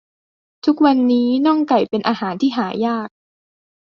ทุกวันนี้น่องไก่เป็นอาหารที่หายาก